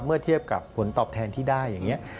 เมื่อเทียบกับผลตอบแทนที่ได้อย่างนี้